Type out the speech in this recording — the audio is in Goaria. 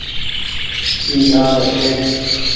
اي آرو ڇي۔